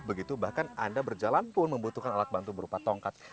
begitu bahkan anda berjalan pun membutuhkan alat bantu berupa tongkat